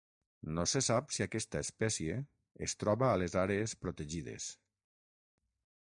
No se sap si aquesta espècie es troba a les àrees protegides.